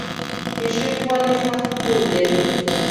کیشپ ولې سخت کور لري؟